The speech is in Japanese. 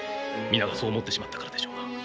皆がそう思ってしまったからでしょうな。